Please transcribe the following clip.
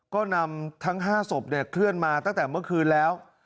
ก็นำทั้ง๕ศพเคลื่อนมาตั้งแต่เมื่อคืนแล้ว